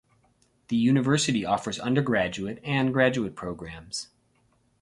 The university offers undergraduate, and graduate programs.